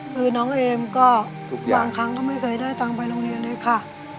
คือน้องเอมก็บางครั้งก็ไม่เคยได้ตังค์ไปโรงเรียนเลยค่ะ